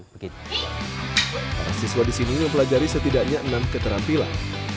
para siswa di sini mempelajari setidaknya enam keterampilan